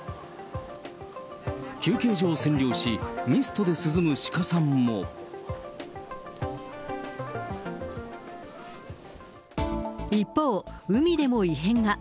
休憩所を占領し、一方、海でも異変が。